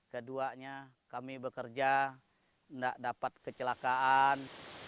keduanya kami bekerja tidak dapat kecelakaan